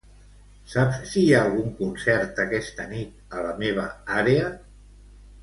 Saps si hi ha algun concert aquesta nit a la meva àrea?